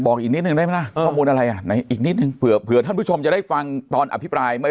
อีกนิดนึงได้ไหมล่ะข้อมูลอะไรอ่ะไหนอีกนิดนึงเผื่อท่านผู้ชมจะได้ฟังตอนอภิปรายไม่